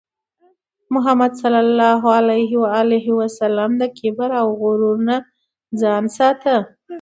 محمد صلى الله عليه وسلم د کبر او غرور نه ځان ساته.